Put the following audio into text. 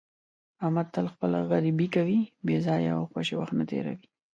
احمد تل خپله غریبي کوي، بې ځایه او خوشې وخت نه تېروي.